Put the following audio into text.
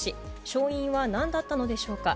勝因はなんだったのでしょうか。